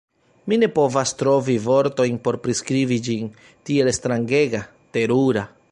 Mi ne povas trovi vortojn por priskribi ĝin, tiel strangega, terura!